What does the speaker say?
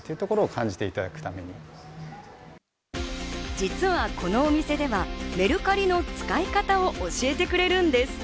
実はこのお店ではメルカリの使い方を教えてくれるんです。